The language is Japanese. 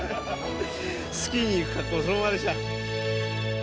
スキーに行く格好そのままで来た。